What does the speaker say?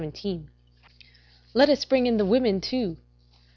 ] Let us bring in the women too.